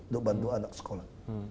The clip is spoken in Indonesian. untuk bantu anak sekolah